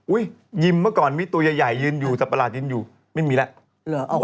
ยิมเมื่อก่อนมีตัวใหญ่ยืนอยู่สับประหลาดยืนอยู่ไม่มีแล้ว